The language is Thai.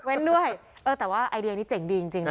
ด้วยเออแต่ว่าไอเดียนี้เจ๋งดีจริงนะ